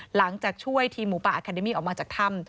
หลังจากช่วยทีมหมูป่าอาคาเดมี่ออกมาจากถ้ำ